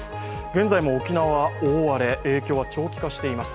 現在も沖縄大荒れ、影響は長期化しています。